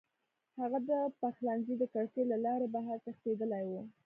هغه د پخلنځي د کړکۍ له لارې بهر تښتېدلی و